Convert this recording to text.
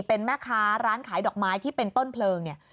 เป็นแม่ค้าร้านขายดอกไม้ที่เป็นต้นเพลิงเนี่ย